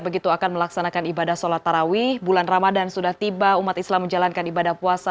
begitu akan melaksanakan ibadah sholat tarawih bulan ramadan sudah tiba umat islam menjalankan ibadah puasa